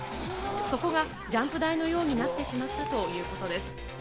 そこがジャンプ台のようになってしまったということです。